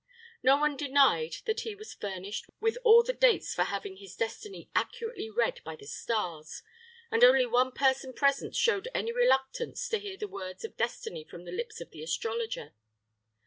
No one denied that he was furnished with all the dates for having his destiny accurately read by the stars, and only one person present showed any reluctance to hear the words of destiny from the lips of the astrologer.